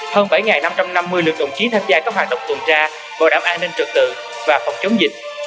hơn bảy năm trăm năm mươi lượt đồng chí tham gia các hoạt động tuần tra bảo đảm an ninh trật tự và phòng chống dịch